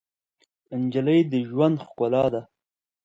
نجلۍ د ژوند ښکلا ده.